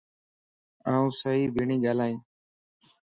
آن صحيح ٻيڻھي ڳالھائين